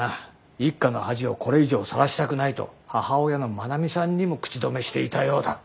一家の恥をこれ以上さらしたくないと母親の真奈美さんにも口止めしていたようだ。